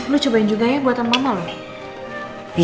lu cobain juga ya buatan mama loh